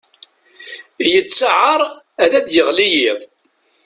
Yettaɛar ad d-yeɣli yiḍ.